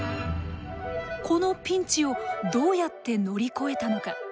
このピンチをどうやって乗り越えたのか。